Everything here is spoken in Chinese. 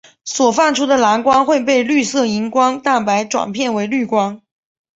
所放出的蓝光会被绿色荧光蛋白转变为绿光。